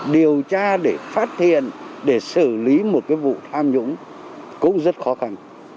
điều tra để phát hiện để xử lý một cái vụ tham nhũng cũng rất khó khăn